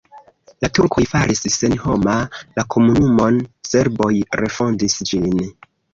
La turkoj faris senhoma la komunumon, serboj refondis ĝin.